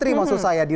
semua keluarga itu